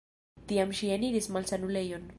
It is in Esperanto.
Tiam ŝi eniris malsanulejon.